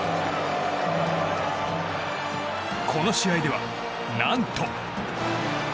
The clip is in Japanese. この試合では、何と。